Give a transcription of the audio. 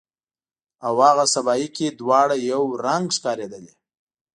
او هاغه سبایي کې دواړه یو رنګ ښکاریدلې